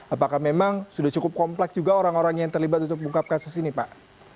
apakah memang sudah cukup kompleks juga orang orang yang terlibat untuk mengungkap kasus ini pak